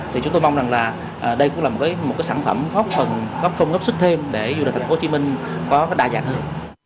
thì chúng tôi mong rằng là đây cũng là một cái sản phẩm góp phần góp công góp sức thêm để du lịch thành phố hồ chí minh có đa dạng hơn